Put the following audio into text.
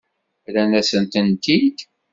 Rran-asen-tent-id?